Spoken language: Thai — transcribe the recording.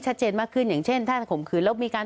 มากขึ้นอย่างเช่นถ้าจะข่มขืนแล้วมีการ